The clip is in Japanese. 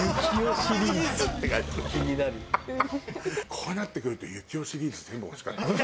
こうなってくるとゆきおシリーズ全部欲しかったわね。